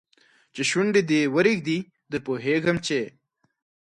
چې شونډي دې ورېږدي در پوهېږم چې